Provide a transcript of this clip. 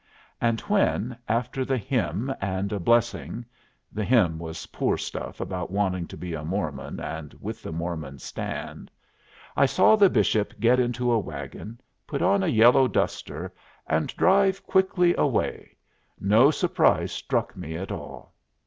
And when, after the hymn and a blessing the hymn was poor stuff about wanting to be a Mormon and with the Mormons stand I saw the Bishop get into a wagon, put on a yellow duster, and drive quickly away, no surprise struck me at all.